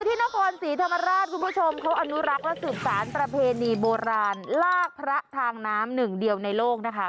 ที่นครศรีธรรมราชคุณผู้ชมเขาอนุรักษ์และสืบสารประเพณีโบราณลากพระทางน้ำหนึ่งเดียวในโลกนะคะ